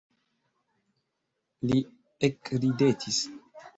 Li ekridetis.